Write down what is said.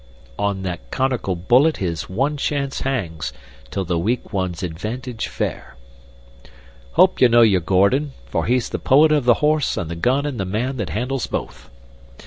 'On that conical bullet his one chance hangs, 'Tis the weak one's advantage fair.' Hope you know your Gordon, for he's the poet of the horse and the gun and the man that handles both.